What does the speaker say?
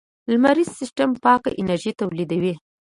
لمریز سیستم پاک انرژي تولیدوي.